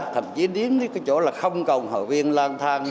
thậm chí đến chỗ không cần hội viên lan thang